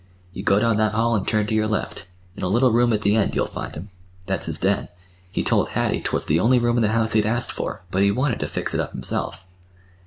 You go down that hall and turn to your left. In a little room at the end you'll find him. That's his den. He told Hattie 'twas the only room in the house he'd ask for, but he wanted to fix it up himself.